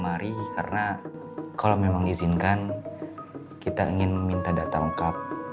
aku ingin tahu